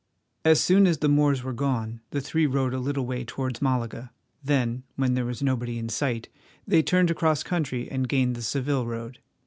As soon as the Moors were gone the three rode a little way towards Malaga. Then, when there was nobody in sight, they turned across country and gained the Seville road.